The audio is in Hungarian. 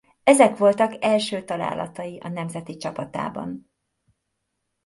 Ezek voltak első találatai a nemzeti csapatában.